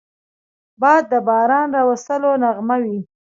باد د باران راوستلو نغمه وي